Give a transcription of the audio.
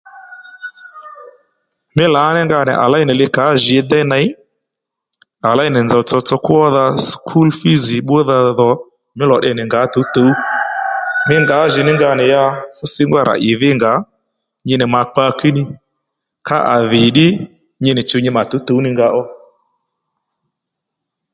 Mí lǎní nga nì à léy li kà ó jǐ déy nèy à léy nì nzòw tsotso kwódha skul fiz bbúdha dho mí lò tde nì ngǎ tǔwtǔw Mí ngǎjìní nga nì ya fú sǐngba rà ì dhínga nyi nì mǎ kpakiní ka a dhì ddí nyi nì chǔw nyi mà tǔwtǔw ní nga ó